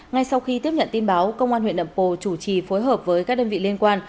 ngay sau khi tiếp nhận tin báo công an huyện nậm pồ chủ trì phối hợp với các đơn vị liên quan